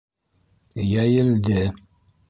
Йәйелде.